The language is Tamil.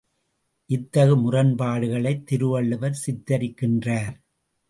இத்தகு முரண்பாடுகளை திருவள்ளுவர் சிந்திக்கின்றார்!